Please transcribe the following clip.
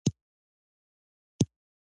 افغانستان د باران د اوبو د ساتنې قوانين لري.